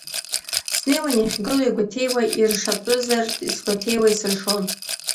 Снеиуан иахьгылоу игәаҭеиуа, иршатәызар, сгәаҭеиуа исыршон.